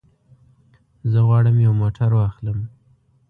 زه غواړم یو موټر واخلم.